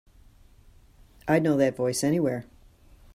I'd know that voice anywhere.